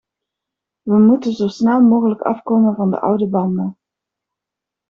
We moeten zo snel mogelijk afkomen van de oude banden.